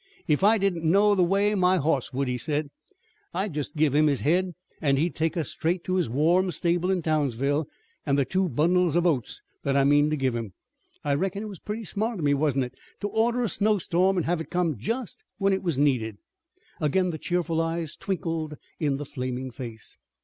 "If I didn't know the way my hoss would," he said. "I'd just give him his head an' he'd take us straight to his warm stable in Townsville, an' the two bundles of oats that I mean to give him. I reckon it was pretty smart of me, wasn't it, to order a snowstorm an' have it come just when it was needed." Again the cheerful eyes twinkled in the flaming face.